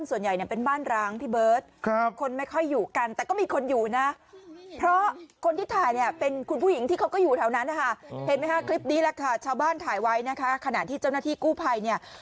ไว้นะคะขณะที่เจ้าหน้าที่กู้ภัยเนี่ย